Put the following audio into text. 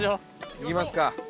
行きますか。